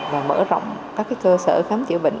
và mở rộng các cơ sở khám chữa bệnh